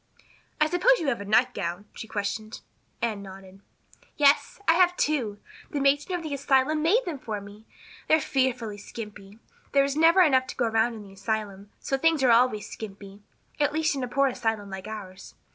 "I suppose you have a nightgown?" she questioned. Anne nodded. "Yes, I have two. The matron of the asylum made them for me. They're fearfully skimpy. There is never enough to go around in an asylum, so things are always skimpy at least in a poor asylum like ours.